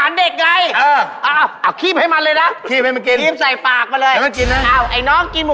รู้เปล่าเตือนไว้